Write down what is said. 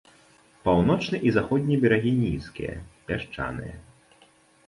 Паўночны і заходні берагі нізкія, пясчаныя.